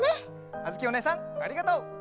あづきおねえさんありがとう。